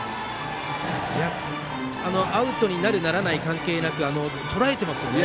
アウトになる、ならない関係なくとらえていますね。